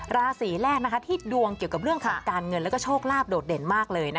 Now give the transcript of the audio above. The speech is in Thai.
ราศีแรกที่ดวงเกี่ยวกับเรื่องของการเงินแล้วก็โชคลาภโดดเด่นมากเลย